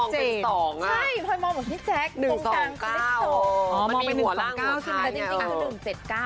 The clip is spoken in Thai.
ใช่พอมองพี่แจ๊กตรงกลางคือ๑๒๙มองเป็น๑๒๙จริงคือ๑๗๙